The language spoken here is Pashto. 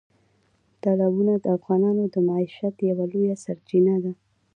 تالابونه د افغانانو د معیشت یوه لویه سرچینه ده.